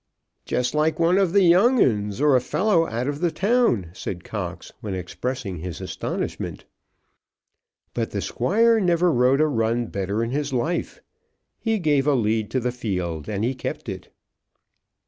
"Just like one of the young 'uns, or a fellow out of the town," said Cox, when expressing his astonishment. But the Squire never rode a run better in his life. He gave a lead to the field, and he kept it.